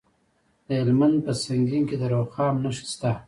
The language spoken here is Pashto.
د هلمند په سنګین کې د رخام نښې شته.